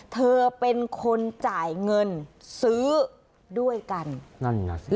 เธอเป็นคนจ่ายเงินซื้อด้วยกันนั่นน่ะสิ